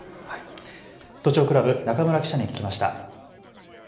都庁クラブ中村記者に聞きました。